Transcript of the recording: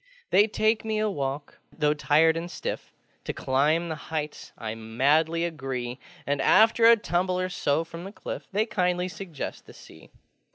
They take me a walk: though tired and stiff, To climb the heights I madly agree; And, after a tumble or so from the cliff, They kindly suggest the Sea.